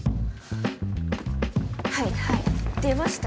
はいはい出ました